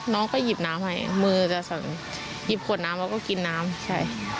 น้องก็หยิบน้ำให้มือจะสั่นหยิบขวดน้ำแล้วก็กินน้ำใช่